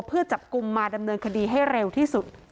เพื่อจับกลุ่มมาดำเนินคดีให้เร็วที่สุด